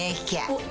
おっ。